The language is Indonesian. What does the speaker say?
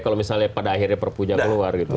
kalau misalnya pada akhirnya perpunya keluar gitu